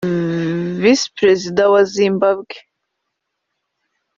Visi Perezida wa Zimbabwe